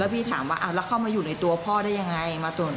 พี่ถามว่าเข้ามาอยู่ในตัวพ่อได้ยังไง